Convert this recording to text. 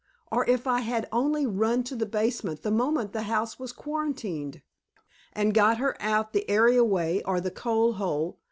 Or if I had only run to the basement the moment the house was quarantined, and got her out the areaway or the coal hole!